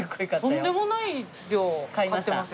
とんでもない量買ってますよね。